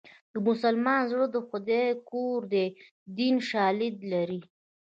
د مسلمان زړه د خدای کور دی دیني شالید لري